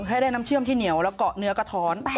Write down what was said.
ให้ได้น้ำเชื่อมที่เหนียวแล้วเกาะเนื้อกระท้อน